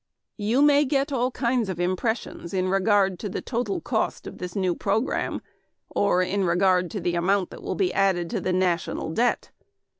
You may get all kinds of impressions in regard to the total cost of this new program, or in regard to the amount that will be added to the net national debt.